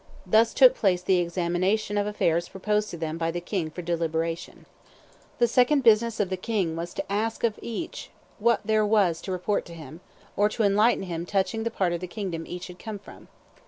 Thus took place the examination of affairs proposed to them by the king for deliberation. [Illustration: Charlemagne and the General Assembly 239] "The second business of the king was to ask of each what there was to report to him, or enlighten him touching the part of the kingdom each had come from.